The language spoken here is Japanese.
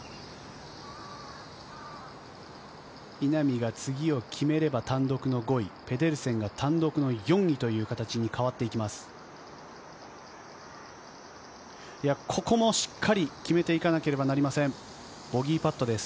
稲見が次を決めれば単独の５位、ペデルセンが単独の４位という形に変わっていきます。